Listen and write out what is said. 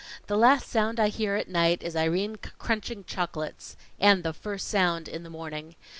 The last sound I hear at night, is Irene crunching chocolates and the first sound in the morning.